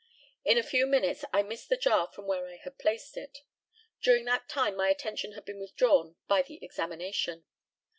In a few minutes I missed the jar from where I had placed it. During that time my attention had been withdrawn by the examination.